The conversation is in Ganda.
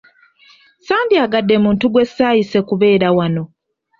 Sandyagadde muntu gwe saayise kubeera wano.